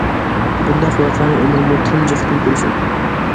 بۇنداق ۋەقەنى ئۆمرۈمدە تۇنجى قېتىم كۆرۈشۈم.